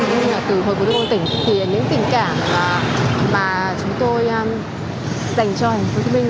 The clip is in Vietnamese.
cũng như là từ hồ chí minh những tình cảm mà chúng tôi dành cho thành phố hồ chí minh